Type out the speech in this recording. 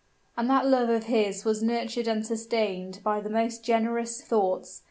And that love of his was nurtured and sustained by the most generous thoughts.